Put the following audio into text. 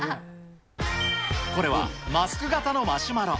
これはマスク形のマシュマロ。